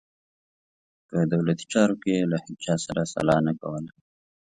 په دولتي چارو کې یې له هیچا سره سلا نه کوله.